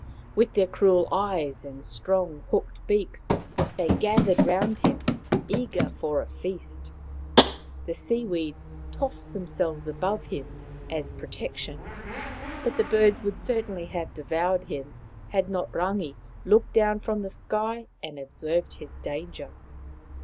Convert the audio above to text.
With their cruel eyes and strong hooked beaks they gathered round him, eager for a feast. The sea weeds tossed themselves above him as protection, but the birds would certainly have devoured him had not Rangi looked down from the sky and observed his danger.